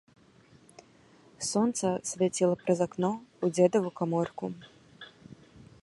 Сонца свяціла праз акно ў дзедаву каморку.